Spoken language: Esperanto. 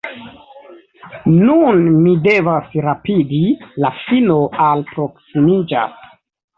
Nun mi devas rapidi; la fino alproksimiĝas.